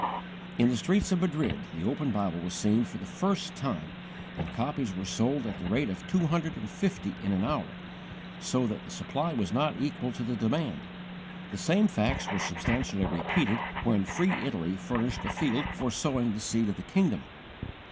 In the streets of Madrid the open Bible was seen for the first time, and copies were sold at the rate of two hundred and fifty in an hour, so that the supply was not equal to the demand. The same facts were substantially repeated when free Italy furnished a field for sowing the seed of the Kingdom.